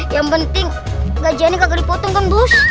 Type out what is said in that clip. yang penting gajah ini gak dipotong kan bos